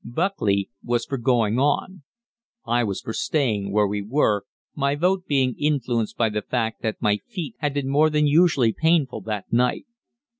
Buckley was for going on. I was for staying where we were, my vote being influenced by the fact that my feet had been more than usually painful that night.